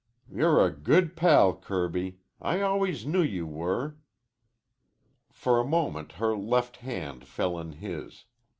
"You're a good pal, Kirby. I always knew you were." For a moment her left hand fell in his.